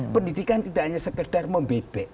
pendidikan tidak hanya sekedar membebek